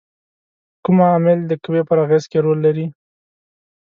کوم عامل د قوې پر اغیزې کې رول لري؟